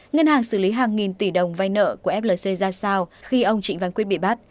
ngân hàng xử lý hàng nghìn tỷ đồng vay nợ của flc ra sao khi ông trịnh văn quyết bị bắt